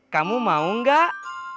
kamu mau gak